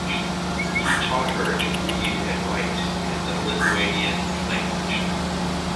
He taught her to read and write in the Lithuanian language.